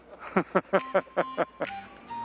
ハハハハハ。